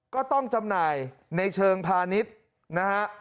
จำหน่ายในเชิงพาณิชย์นะฮะ